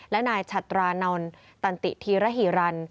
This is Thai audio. และมฉัตรานอนตันติธิรหิรัญ